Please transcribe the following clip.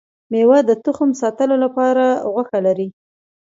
ميوه د تخم ساتلو لپاره غوښه لري